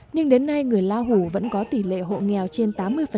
nhưng đến nay người la hủ vẫn có tỷ lệ hộ nghèo trên tám mươi